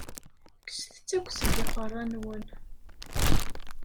Kkset-t akk seg iqeṛṛa-nwen!